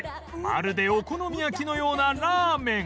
まるでお好み焼きのようなラーメン